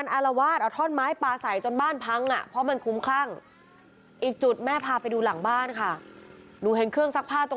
เข้ามา๙๒ไม่ทันได้ใช้พังมาหมดเลย